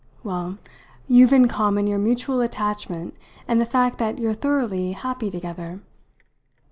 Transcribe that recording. Well, you've in common your mutual attachment and the fact that you're thoroughly happy together."